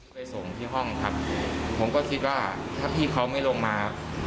ไปส่งที่ห้องครับผมก็คิดว่าถ้าพี่เขาไม่ลงมา